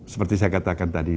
seperti saya katakan tadi